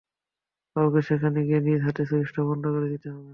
কাউকে সেখানে গিয়ে নিজ হাতে সুইচটা বন্ধ করে দিতে হবে।